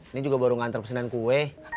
ini juga baru ngantre pesenan kue